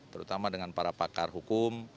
terutama dengan para pakar hukum